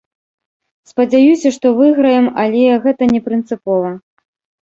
Спадзяюся, што выйграем, але гэта не прынцыпова.